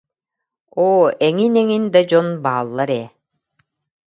Оо, эҥин-эҥин да дьон бааллар ээ